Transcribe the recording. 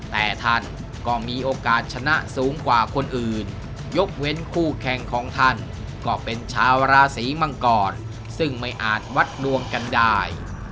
แต่ท่านก็มีโอกาสชนะสูงกว่าคนอื่นยกเว้นคู่แข่งของท่านก็เป็นชาวราศีมังกรซึ่งไม่อาจวัดนวงกันได้